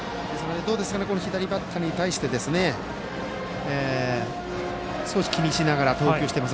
左バッターに対し少し気にしながら投球しています。